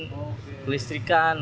kondisi listrik kan